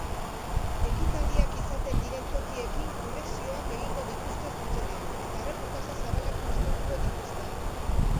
Ekitaldiak izaten diren tokiekin konexioak egingo dituzte zuzenean eta erreportaje zabalak prestatuko dituzte.